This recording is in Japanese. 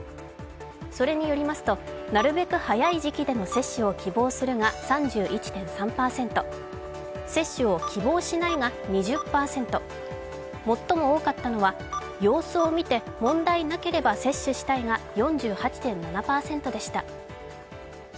それによりますと、なるべく早い時期での接種を希望するが３１．３％、接種を希望しないが２０％、最も多かったのは様子を見て問題がなければ接種をしたいが４８．７％でした。